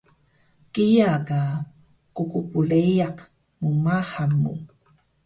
kiya ka qqbleyaq mmahan mu